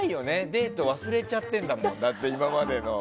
デート忘れちゃってるんだもん。